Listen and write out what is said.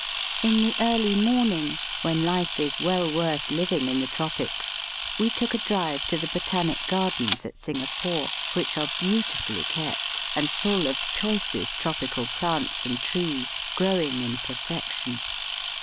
In the early morning, when life is weU worth living in the tropics, we took a drive to the Botanic Gardens at Singapore, which are beautifully kept, and full of choicest tropical plants and trees growing in Digitized by VjOOQIC 134 EAST BY WEST?i perfection.